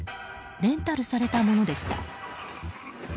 レンタルされたものでした。